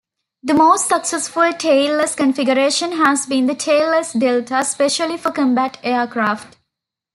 The most successful tailless configuration has been the tailless delta, especially for combat aircraft.